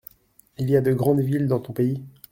Il y a de grandes villes dans ton pays ?